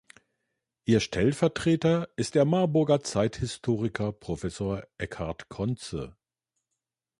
Ihr Stellvertreter ist der Marburger Zeithistoriker Professor Eckart Conze.